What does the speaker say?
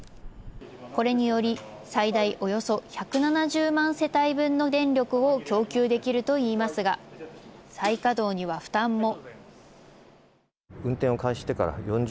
これにより最大およそ１７０万世帯分の電力を供給できるといいますが再稼働には負担も。